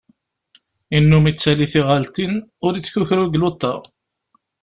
Innum ittali tiɣaltin, ur ittkakru deg luḍa.